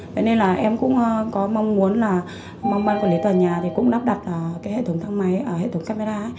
vậy nên em cũng có mong muốn mong bàn quản lý tòa nhà cũng đắp đặt hệ thống camera